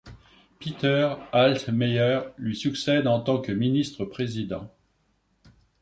Peter Altmeier lui succède en tant que ministre-président.